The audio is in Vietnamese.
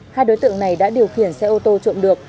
hai đối tượng này đã điều khiển xe ô tô trộm được